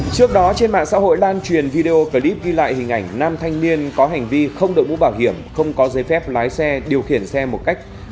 trước đó trên mạng xã hội lan truyền video clip ghi lại hình ảnh nam thanh niên có hành vi không đội mũ bảo hiểm không có giấy phép lái xe điều khiển xe một cách